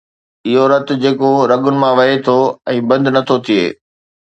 اهو رت جيڪو رڳن مان وهي ٿو ۽ بند نٿو ٿئي